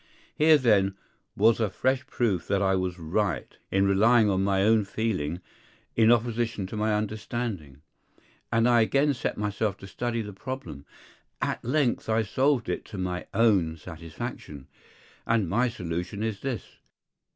Here, then, was a fresh proof that I was right in relying on my own feeling in opposition to my understanding; and I again set myself to study the problem; at length I solved it to my own satisfaction; and my solution is this.